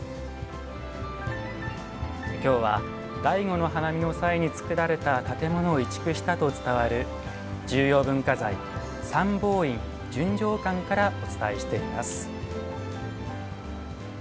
きょうは醍醐の花見の際に作られた建物を移築したと伝わる重要文化財・三宝院純浄観からお伝えしています。